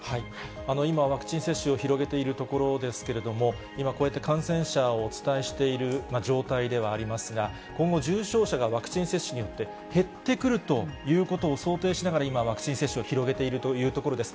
今、ワクチン接種を広げているところですけれども、今、こうやって感染者をお伝えしている状態ではありますが、今後、重症者がワクチン接種によって減ってくるということを想定しながら、今、ワクチン接種を広げているというところです。